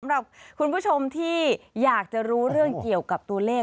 สำหรับคุณผู้ชมที่อยากจะรู้เรื่องเกี่ยวกับตัวเลข